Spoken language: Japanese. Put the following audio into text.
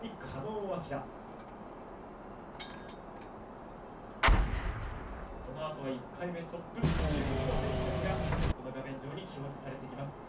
そのあとは１回目トップ１２の選手たちが画面上に表示されてきます。